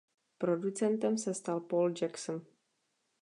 Producentem se stal Paul Jackson.